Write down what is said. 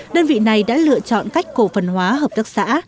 đơn vị này đã lựa chọn cách cổ phần hóa hợp tác xã